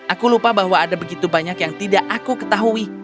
aku lupa bahwa ada begitu banyak yang tidak aku ketahui